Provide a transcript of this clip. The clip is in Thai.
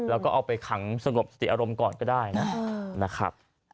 แล้วก็เอาไปขังสงบสติอารมณ์ก่อนก็ได้นะครับ